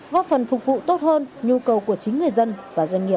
góp phần phục vụ tốt hơn nhu cầu của chính người dân và doanh nghiệp